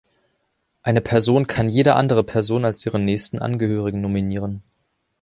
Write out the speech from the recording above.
Eine Person kann jede andere Person als ihren nächsten Angehörigen nominieren.